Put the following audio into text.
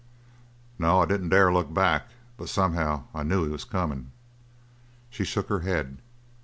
"No. I didn't dare look back. But somehow I knew he was comin'." She shook her head.